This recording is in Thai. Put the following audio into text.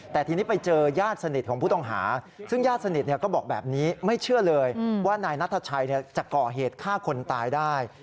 แต่ทีนี้ไปเจอญาติสนิทของผู้ต้องหาซึ่งญาติสนิทก็บอกแบบนี้ไม่เชื่อเลยว่านายนัทชัยจะก่อเหตุฆ่าคนตายได้